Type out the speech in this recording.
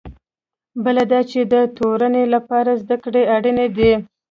بله دا چې د تورنۍ لپاره زده کړې اړینې دي.